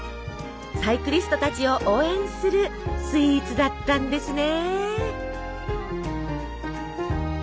サイクリストたちを応援するスイーツだったんですね。